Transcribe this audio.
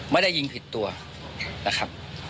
ไม่ได้ยิงผิดตัวนะครับ